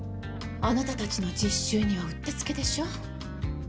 あなたたちの実習にはうってつけでしょ。